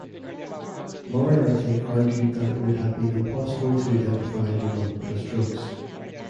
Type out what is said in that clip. Moriarty argued that it would have been impossible to identify the lump as drugs.